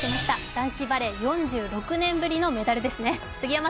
男子バレー、４６年ぶりのメダルですね。